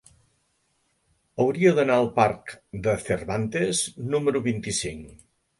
Hauria d'anar al parc de Cervantes número vint-i-cinc.